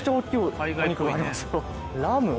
ラム？